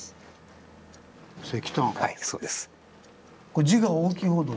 はいそうです。